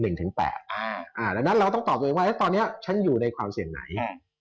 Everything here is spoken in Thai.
ดังนั้นเราต้องตอบตัวเองว่าตอนนี้ฉันอยู่ในความเสี่ยงไหน